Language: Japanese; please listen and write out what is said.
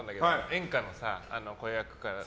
演歌の子役から。